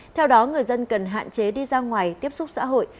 theo đó người dân cần hạn chế đi ra ngoài tiếp xúc xã hội